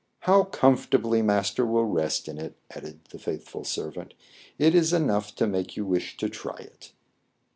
" How comfortably master will rest in it !" added the faithful servant. " It is enough to make you wish to try it."